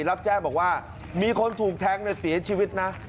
รับแจ้งบอกว่ามีคนถูกแทงเสียชีวิตนะ